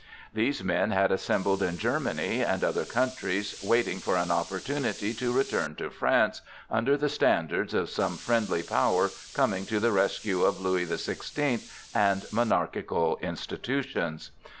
These men had assembled in Germany and other countries waiting for an opportunity to return to France under the standards of some friendly power coming to the rescue of Louis the Sixteenth and monarchical institutions.